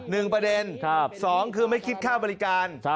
หนึ่งประเด็นสองคือไม่คิดค่าบริการ